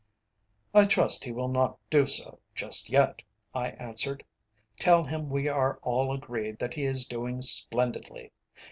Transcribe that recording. "I trust he will not do so just yet," I answered. "Tell him we are all agreed that he is doing splendidly.